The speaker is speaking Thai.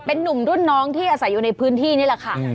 เป็นนุ่มรุ่นน้องที่อาศัยอยู่ในพื้นที่นี่แหละค่ะ